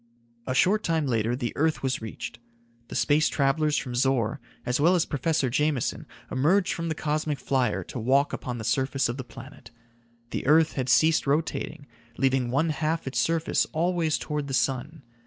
A short time later the earth was reached. The space travelers from Zor, as well as Professor Jameson, emerged from the cosmic flyer to walk upon the surface of the planet. The earth had ceased rotating, leaving one half its surface always toward the sun.